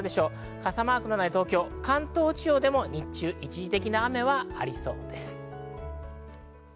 傘マークがない東京、関東地方でも日中、一時的な雨はありそうです。